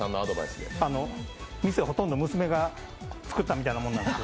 店、ほとんど娘が作ったみたいなものなんで。